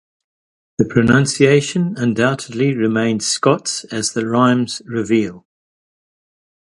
The pronunciation undoubtedly remained Scots as the rhymes reveal.